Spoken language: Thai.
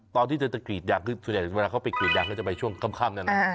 ตอนที่เธอจะกรีดยางคือส่วนใหญ่เวลาเขาไปกรีดยางเขาจะไปช่วงค่ำนั้น